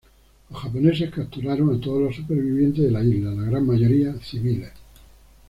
Los japoneses capturaron a todos los supervivientes de la isla, la gran mayoría civiles.